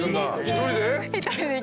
１人で？